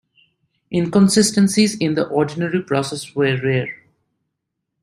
Inconsistencies in the ordinary process were rare.